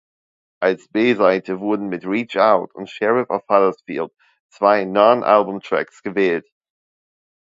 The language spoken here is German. Als B-Seite wurden mit "Reach Out" und "Sheriff of Huddersfield" zwei Non-Album-Tracks gewählt.